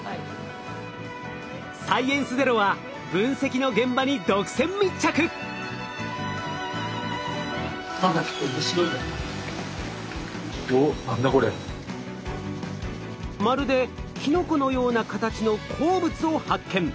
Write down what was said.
「サイエンスＺＥＲＯ」は分析の現場にまるできのこのような形の鉱物を発見。